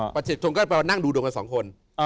ปัจเจกชนก็แปลว่านั่งดูดวงกันสองคน